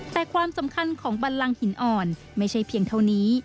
แต่ความสำคัญของบันลังหินอ่อนไม่ใช่เพียงเท่านี้